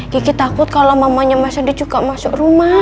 gigi takut kalo mamanya mas rendy juga masuk rumah